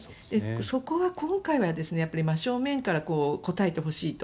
そこは今回は真正面から答えてほしいと。